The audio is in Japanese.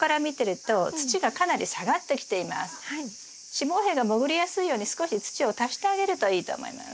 子房柄が潜りやすいように少し土を足してあげるといいと思います。